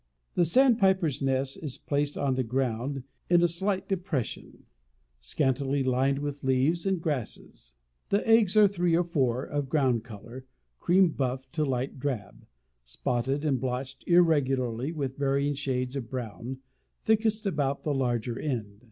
The Sandpiper's nest is placed on the ground in a slight depression, scantily lined with leaves and grasses. The eggs are three or four, of ground color cream buff to light drab, spotted and blotched irregularly with varying shades of brown, thickest about the larger end.